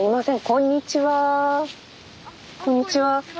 こんにちは。